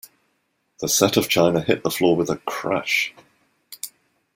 The set of china hit the floor with a crash.